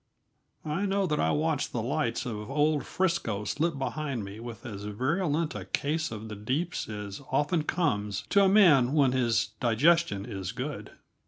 I know that I watched the lights of old Frisco slip behind me with as virulent a case of the deeps as often comes to a man when his digestion is good.